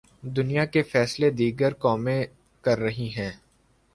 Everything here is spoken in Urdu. دنیا کے فیصلے دیگر قومیں کررہی ہیں۔